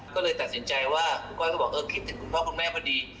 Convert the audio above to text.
ก็เลยตัดสินใจว่าคุณก้อยก็บอกเออคิดถึงคุณพ่อคุณแม่พอดี